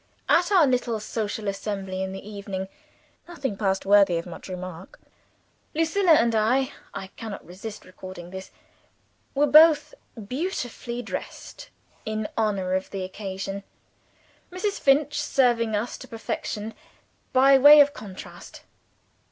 At our little social assembly in the evening, nothing passed worthy of much remark. Lucilla and I (I cannot resist recording this) were both beautifully dressed, in honor of the occasion; Mrs. Finch serving us to perfection, by way of contrast.